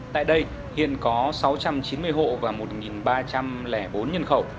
tại đây hiện có sáu trăm chín mươi hộ và một ba trăm linh bốn nhân khẩu